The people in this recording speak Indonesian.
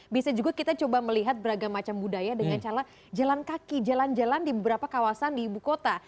bisa juga kita coba melihat beragam macam budaya dengan cara jalan kaki jalan jalan di beberapa kawasan di ibu kota